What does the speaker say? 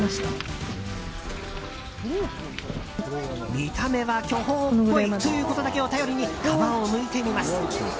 見た目は巨峰っぽいということだけを頼りに皮をむいてみます。